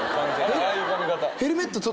ああいう髪形。